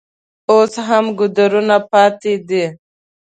اوس هم ګودرونه پاتې دي.